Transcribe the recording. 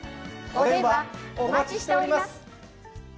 お電話お待ちしております。